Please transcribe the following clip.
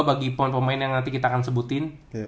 bagi pemain yang nanti kita akan sebutin